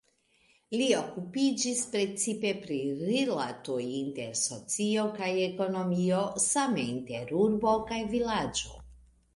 Li okupiĝis precipe pri rilatoj inter socio kaj ekonomio, same inter urbo kaj vilaĝo.